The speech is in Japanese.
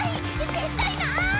絶対ない！